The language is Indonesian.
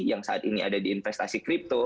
yang saat ini ada di investasi kripto